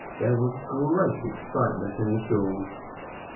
There was great excitement in the Shools.